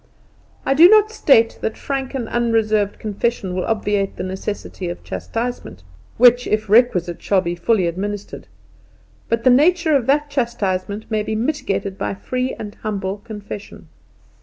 I do not state that frank and unreserved confession will obviate the necessity of chastisement, which if requisite shall be fully administered; but the nature of that chastisement may be mitigated by free and humble confession.